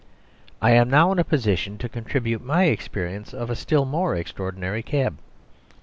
I am now in a position to contribute my experience of a still more extraordinary cab.